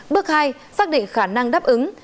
bước hai xác định khả năng đáp ứng